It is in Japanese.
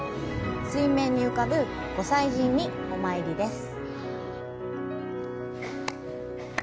水面に浮かぶご祭神にお参りです。